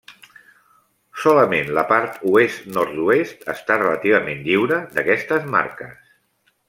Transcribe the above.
Solament la part oest-nord-oest està relativament lliure d'aquestes marques.